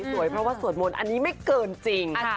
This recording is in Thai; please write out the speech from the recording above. สวยเพราะว่าสวดมนต์อันนี้ไม่เกินจริง